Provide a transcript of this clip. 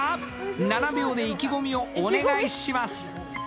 ７秒で意気込みをお願いします。